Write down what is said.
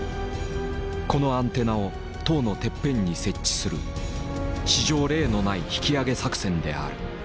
このアンテナを塔のてっぺんに設置する史上例のない引き上げ作戦である。